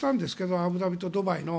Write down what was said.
アブダビとドバイの。